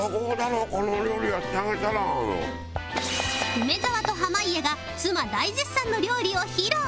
梅沢と濱家が妻大絶賛の料理を披露